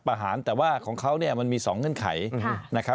ประหารแต่ว่าของเขาเนี่ยมันมี๒เงื่อนไขนะครับ